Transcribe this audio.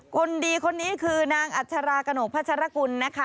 คนดีคนนี้คือนางอัชรากระหนกพัชรกุลนะคะ